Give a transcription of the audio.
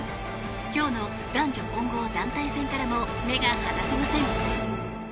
今日の男女混合団体戦からも目が離せません。